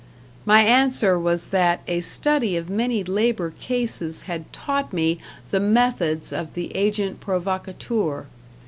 My answer was that a study of many labor cases had taught me the methods of the agent provocateur.